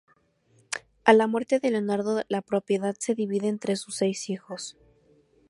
A la muerte de Leonardo la propiedad se divide entre sus seis hijos.